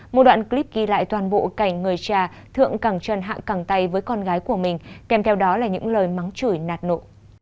một đoạn clip ghi lại toàn bộ cảnh người cha thượng cẳng trần hạ cẳng tay với con gái của mình kèm theo đó là những lời mắng chửi nạt nộ